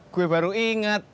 gue baru inget